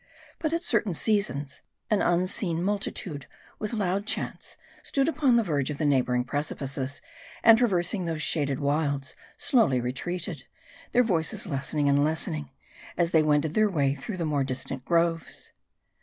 But at certain seasons, an unseen multitude with loud chants stood upon the verge of the neighboring precipices, and traversing those shaded wilds, slowly retreated ; their voices lessening and lessening, as they wended their way through the more distant groves.